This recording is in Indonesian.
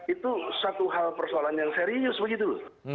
itu satu hal persoalan yang serius begitu loh